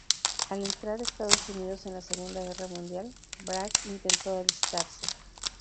Al entrar Estados Unidos en la Segunda Guerra Mundial, Bright intentó alistarse.